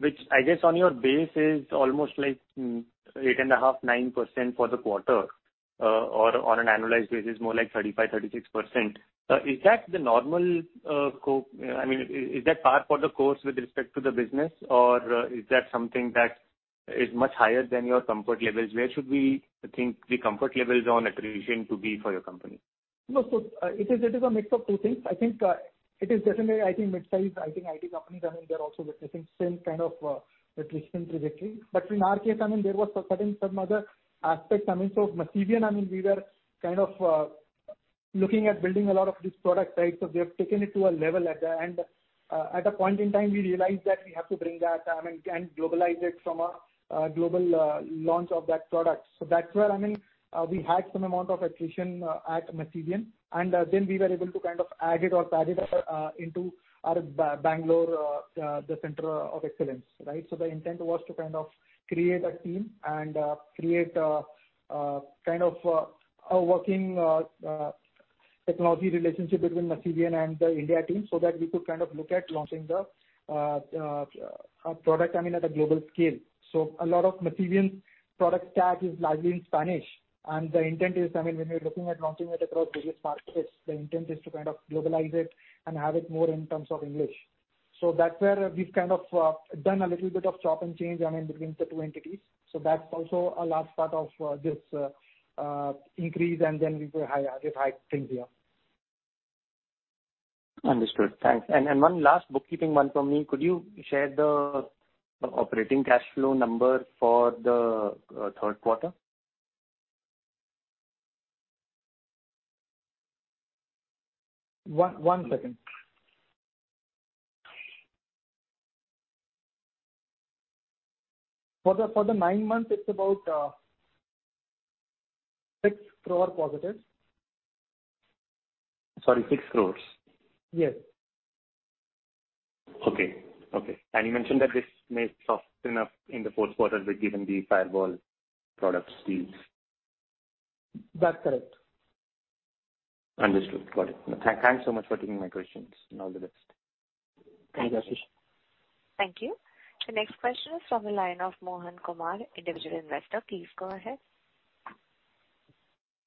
Which I guess on your base is almost like, 8.5%, 9% for the quarter, or on an annualized basis, more like 35%, 36%. Is that the normal, I mean, is that par for the course with respect to the business? Is that something that is much higher than your comfort levels? Where should we think the comfort levels on attrition to be for your company? It is a mix of two things. I think it is definitely, I think midsize, I think IT companies, I mean, they're also witnessing same kind of attrition trajectory. In our case, I mean, there was some other aspects, I mean. Masivian, I mean, we were kind of looking at building a lot of this product, right? We have taken it to a level at the end. At a point in time we realized that we have to bring that, I mean, and globalize it from a global launch of that product. That's where, I mean, we had some amount of attrition at Masivian, and then we were able to kind of add it or pad it into our Bangalore the center of excellence, right? The intent was to kind of create a team and, create, kind of, a working, technology relationship between Masivian and the India team so that we could kind of look at launching the, product, I mean, at a global scale. A lot of Masivian product tag is largely in Spanish. The intent is, I mean, when we're looking at launching it across various markets, the intent is to kind of globalize it and have it more in terms of English. That's where we've kind of, done a little bit of chop and change, I mean, between the two entities. That's also a large part of, this, increase and then we will hire things here. Understood. Thanks. One last bookkeeping one from me. Could you share the operating cash flow number for the third quarter? One second. For the nine months it's about, 6 crore+. Sorry, 6 crores? Yes. Okay. Okay. You mentioned that this may soften up in the fourth quarter with given the firewall products deals. That's correct. Understood. Got it. Thanks so much for taking my questions. All the best. Thank you. Thanks, Ashish. Thank you. The next question is from the line of Mohan Kumar, Individual Investor. Please go ahead.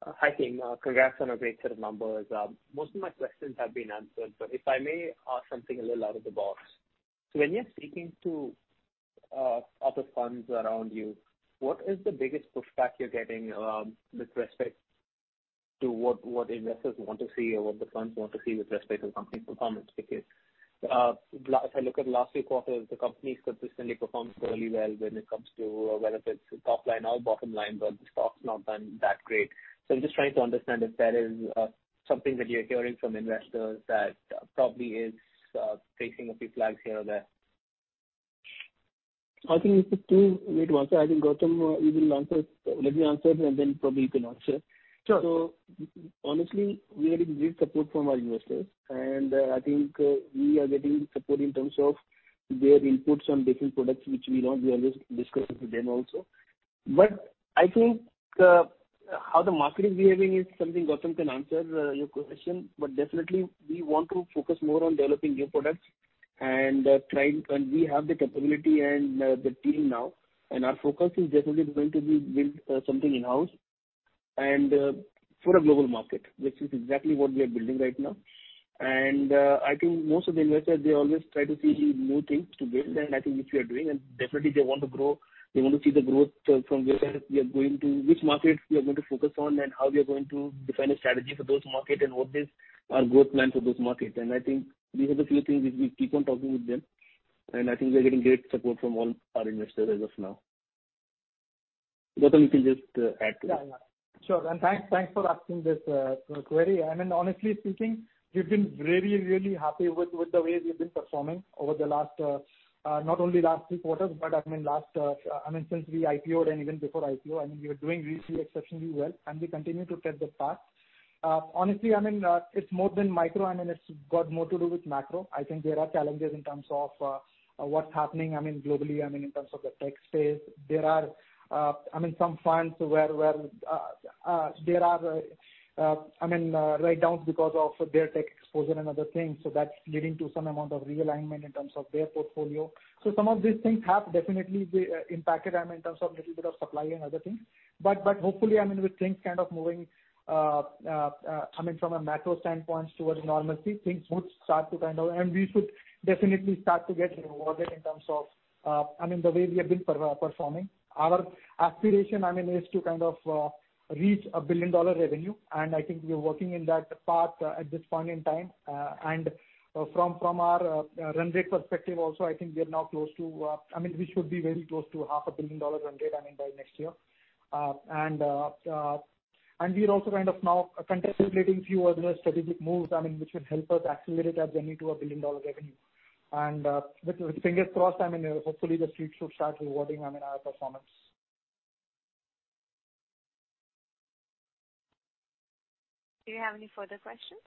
Hi, team. Congrats on a great set of numbers. Most of my questions have been answered, but if I may ask something a little out of the box. When you're speaking to other funds around you, what is the biggest pushback you're getting with respect to what investors want to see or what the funds want to see with respect to the company's performance? If I look at the last few quarters, the company's consistently performed fairly well when it comes to whether it's top line or bottom line, but the stock's not done that great. I'm just trying to understand if there is something that you're hearing from investors that probably is raising a few flags here or there. I think it's a two-way answer. I think, Gautam, you will answer. Let me answer it, and then probably you can answer. Sure. honestly, we are getting great support from our investors, and I think, we are getting support in terms of their inputs on different products which we know we are just discussing with them also. I think, how the market is behaving is something Gautam can answer, your question, but definitely we want to focus more on developing new products and, we have the capability and, the team now, and our focus is definitely going to be build, something in-house and, for a global market, which is exactly what we are building right now. I think most of the investors, they always try to see new things to build, and I think which we are doing, and definitely they want to grow. They want to see the growth from where we are going to, which markets we are going to focus on and how we are going to define a strategy for those market and what is our growth plan for those markets. I think these are the few things which we keep on talking with them, and I think we're getting great support from all our investors as of now. Gautam, you can just add to that. Sure. Thanks for asking this query. I mean, honestly speaking, we've been really happy with the way we've been performing over the last, not only last three quarters, but I mean, last, I mean, since we IPO'd and even before IPO. I mean, we are doing really, exceptionally well, and we continue to tread the path. Honestly, I mean, it's more than micro. I mean, it's got more to do with macro. I think there are challenges in terms of what's happening, I mean, globally, I mean, in terms of the tech space. There are, I mean, some funds where, there are, I mean, write-downs because of their tech exposure and other things. That's leading to some amount of realignment in terms of their portfolio. Some of these things have definitely impacted them in terms of little bit of supply and other things. Hopefully, I mean, with things kind of moving, I mean, from a macro standpoint towards normalcy, things would start to kind of... And we should definitely start to get rewarded in terms of, I mean, the way we have been performing. Our aspiration, I mean, is to kind of reach a billion-dollar revenue, and I think we are working in that path at this point in time. From, from our run rate perspective also, I think we are now close to, I mean, we should be very close to $0.5 billion run rate, I mean, by next year. And we are also kind of now contemplating few other strategic moves, I mean, which would help us accelerate our journey to a billion-dollar revenue. With, with fingers crossed, I mean, hopefully the street should start rewarding, I mean, our performance. Do you have any further questions?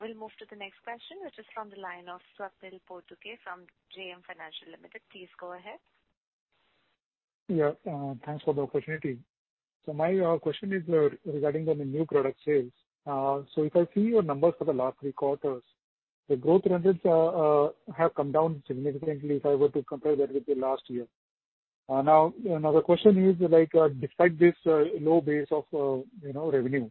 We'll move to the next question, which is from the line of Swapnil Potdukhe from JM Financial Limited. Please go ahead. Thanks for the opportunity. My question is regarding on the new product sales. If I see your numbers for the last three quarters, the growth run rates have come down significantly if I were to compare that with the last year. Another question is like, despite this low base of, you know, revenue,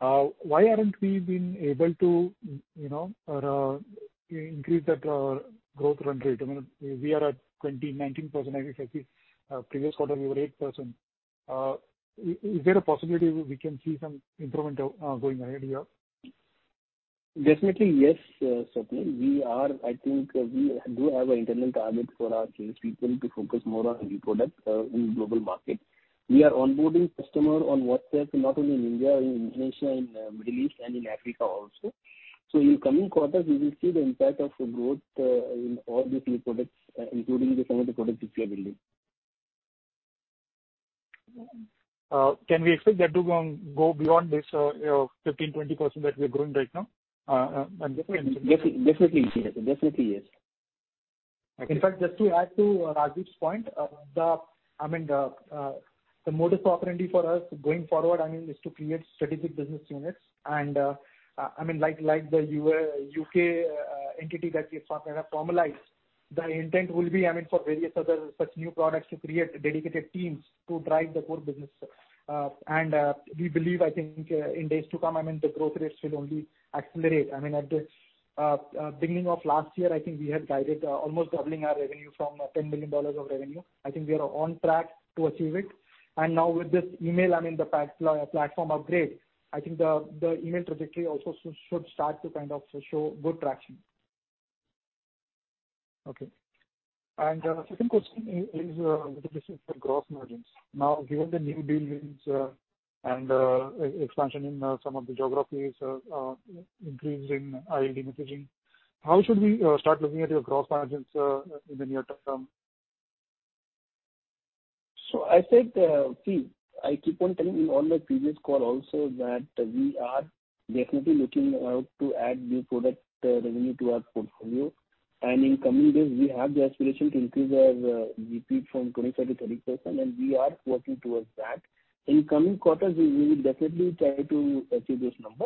why haven't we been able to, you know, increase that growth run rate? I mean, we are at 20%, 19%. I think previous quarter we were 8%. Is there a possibility we can see some improvement going ahead here? Definitely, yes, Swapnil. I think we do have an internal target for our sales people to focus more on new products in global market. We are onboarding customer on WhatsApp, not only in India, in Indonesia, in Middle East and in Africa also. In coming quarters we will see the impact of growth in all these new products, including the some of the products which we are building. Can we expect that to go beyond this 15%-20% that we are growing right now? Definitely, yes. Definitely, yes. Okay. In fact, just to add to Rajdip's point, the, I mean, the modus operandi for us going forward, I mean, is to create strategic business units and, I mean, like the U.K. entity that we have partner formalised. The intent will be, I mean, for various other such new products to create dedicated teams to drive the core business. We believe, I think, in days to come, I mean, the growth rates will only accelerate. I mean, at the beginning of last year, I think we had guided almost doubling our revenue from $10 million of revenue. I think we are on track to achieve it. Now with this email, I mean, the platform upgrade, I think the email trajectory also should start to kind of show good traction. Okay. Second question is with reference to the gross margins. Now, given the new dealings, and expansion in some of the geographies, increase in R&D messaging, how should we start looking at your gross margins in the near term? I said, see, I keep on telling in all my previous call also that we are definitely looking out to add new product revenue to our portfolio. In coming days we have the aspiration to increase our GP from 25%-30%, and we are working towards that. In coming quarters, we will definitely try to achieve this number.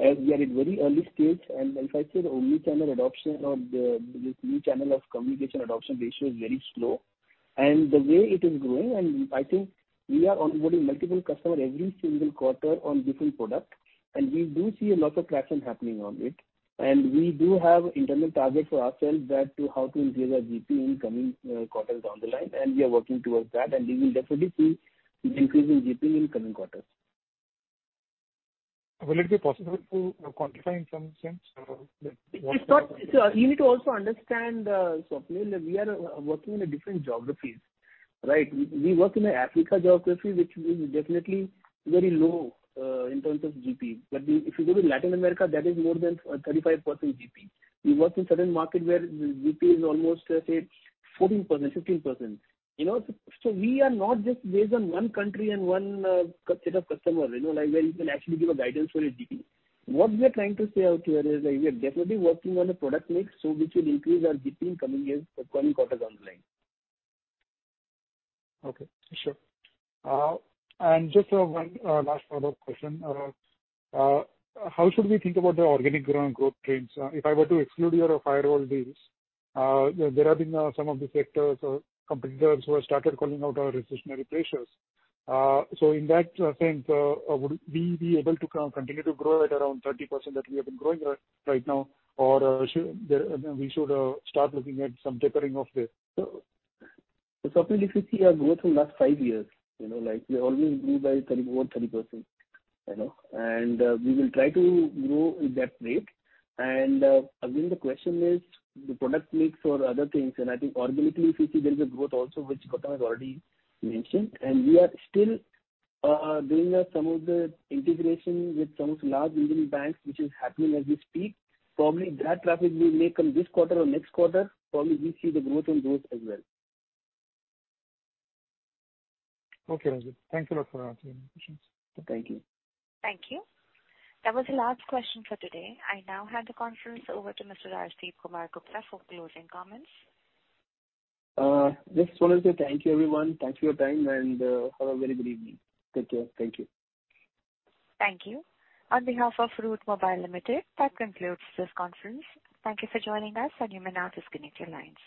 We are in very early stage, and as I said, only channel adoption of this new channel of communication adoption ratio is very slow. The way it is growing, and I think we are onboarding multiple customer every single quarter on different product, and we do see a lot of traction happening on it. We do have internal target for ourselves that to how to increase our GP in coming quarters down the line, and we are working towards that. We will definitely see increase in GP in coming quarters. Will it be possible to quantify in some sense, like. It's not... You need to also understand, Swapnil, that we are working in a different geographies, right? We work in a Africa geography which is definitely very low in terms of GP. If you go to Latin America, that is more than 35% GP. We work in certain market where GP is almost, say 14%, 15%. You know, so we are not just based on one country and one set of customers, you know, like where you can actually give a guidance for a GP. What we are trying to say out here is that we are definitely working on a product mix so which will increase our GP in coming years or coming quarters down the line. Okay. Sure. Just one last follow-up question. How should we think about the organic growth trends? If I were to exclude your Firewall deals, there have been some of the sectors or competitors who have started calling out recessionary pressures. In that sense, would we be able to continue to grow at around 30% that we have been growing at right now? Or, we should start looking at some tapering off there? Swapnil, if you see our growth in last five years, you know, like we always grew by 30%, more than 30%, you know. We will try to grow with that rate. I think the question is the product mix or other things, and I think organically if you see there is a growth also which Gautam has already mentioned. We are still doing some of the integration with some of the large Indian banks which is happening as we speak. Probably that traffic will make in this quarter or next quarter, probably we see the growth in those as well. Okay, Rajdip. Thanks a lot for answering the questions. Thank you. Thank you. That was the last question for today. I now hand the conference over to Mr. Rajdipkumar Gupta for closing comments. Just want to say Thank you, everyone. Thank you for your time, and have a very good evening. Take care. Thank you. Thank you. On behalf of Route Mobile Limited, that concludes this conference. Thank you for joining us. You may now disconnect your lines.